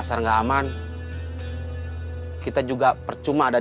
selamat sore pak